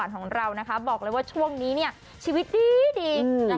ของเรานะคะบอกเลยว่าช่วงนี้เนี่ยชีวิตดี